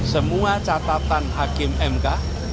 semua catatan hakim mk